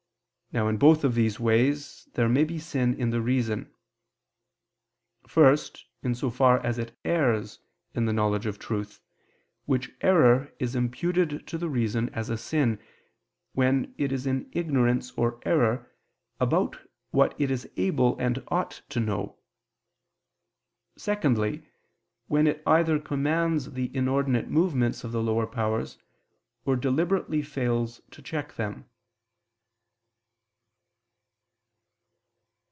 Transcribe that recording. Now in both of these ways there may be sin in the reason. First, in so far as it errs in the knowledge of truth, which error is imputed to the reason as a sin, when it is in ignorance or error about what it is able and ought to know: secondly, when it either commands the inordinate movements of the lower powers, or deliberately fails to check them.